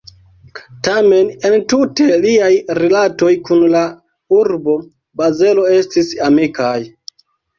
Tamen entute liaj rilatoj kun la urbo Bazelo estis amikaj.